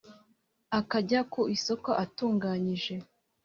akajya ku isoko atunganyije